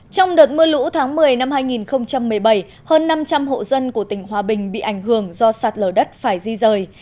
trong đợt mưa lũ tháng một mươi năm hai nghìn một mươi bảy hơn năm trăm linh hộ dân của tỉnh hòa bình bị ảnh hưởng do sạt lở đất phải di rời